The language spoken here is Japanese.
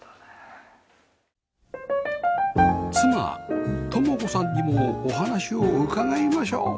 妻知子さんにもお話を伺いましょう